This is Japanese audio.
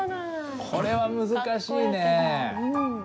これは難しいねえ。